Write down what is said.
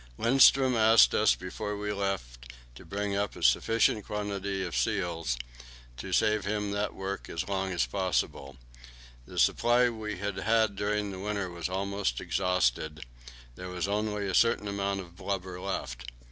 Lindström asked us before we left to bring up a sufficient quantity of seals, to save him that work as long as possible. The supply we had had during the winter was almost exhausted; there was only a certain amount of blubber left.